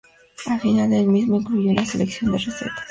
Al final del mismo incluye una selección de recetas.